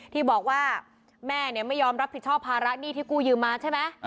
ที่บอกว่าแม่ไม่ยอมรับผิดชอบภาระหนี้ที่กู้ยืมมาใช่ไหม